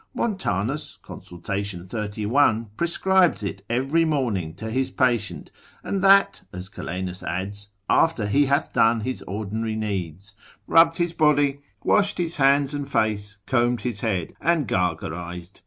Montanus, consil. 31. prescribes it every morning to his patient, and that, as Calenus adds, after he hath done his ordinary needs, rubbed his body, washed his hands and face, combed his head and gargarised.